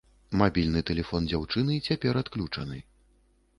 Мабільны тэлефон дзяўчыны цяпер адключаны.